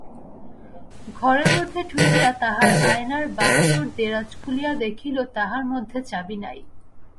ঘরের মধ্যে ঢুকিয়া তাহার আয়নার বাক্সর দেরাজ খুলিয়া দেখিল, তাহার মধ্যে চাবি নাই।